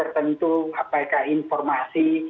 tentu apakah informasi